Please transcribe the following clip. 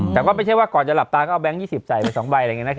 แต่ว่าไม่ใช่ว่าก่อนจะหลับตาก็เอาแบงค์๒๐ใส่ไปอยู่๒ใบ